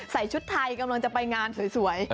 ชุดไทยกำลังจะไปงานสวย